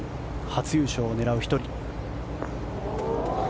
初優勝を狙う１人。